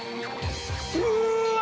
うわ！